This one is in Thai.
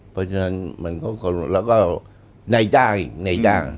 เพราะฉะนั้นมันก็แล้วก็ในจ้างอีกในจ้าง